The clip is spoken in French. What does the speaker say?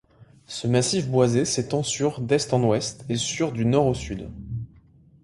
Ce massif boisé s'étend sur d'est en ouest et sur du nord au sud.